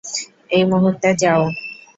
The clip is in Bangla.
এই মুহূর্তে যাও!